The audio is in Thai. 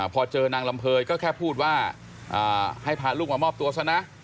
พอเจอนางลำเภยก็แค่พูดว่าให้พาลูกมามอบตัวซะนะ